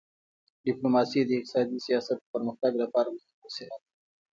ډیپلوماسي د اقتصادي سیاست د پرمختګ لپاره مهمه وسیله ده.